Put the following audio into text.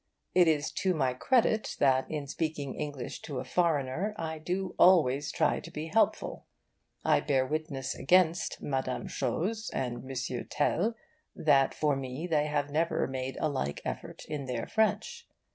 It is to my credit that in speaking English to a foreigner I do always try to be helpful. I bear witness against Mme. Chose and M. Tel that for me they have never made a like effort in their French.